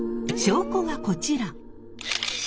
証拠がこちら。